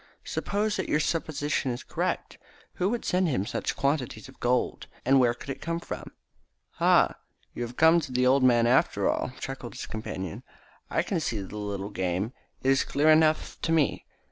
"Supposing that your supposition is correct, who would send him such quantities of gold, and where could it come from?" "Ha, you have to come to the old man after all!" chuckled his companion. "I can see the little game. It is clear enough to me.